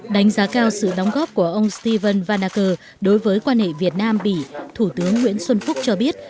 đánh giá cao sự đóng góp của ông stephen van acker đối với quan hệ việt nam bỉ thủ tướng nguyễn xuân phúc cho biết